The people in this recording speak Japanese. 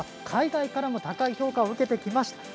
海外からも高い評価を受けてきました。